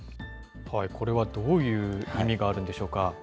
これはどういう意味があるんでしょうか。